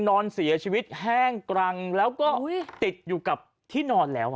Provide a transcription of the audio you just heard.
นอนเสียชีวิตแห้งกรังแล้วก็ติดอยู่กับที่นอนแล้ว